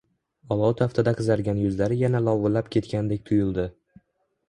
olov taftida qizargan yuzlari yana lovillab ketgandek tuyuldi.